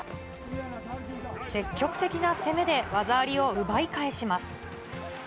積極的な攻めで技ありを奪い返します。